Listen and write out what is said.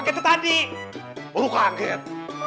bisa begitu pasat